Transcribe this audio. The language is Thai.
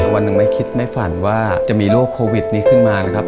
วันหนึ่งไม่คิดไม่ฝันว่าจะมีโรคโควิดนี้ขึ้นมานะครับ